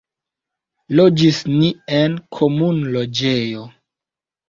Loĝis ni en komunloĝejo.